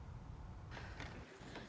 trong cuộc gặp năm ngoái tại argentina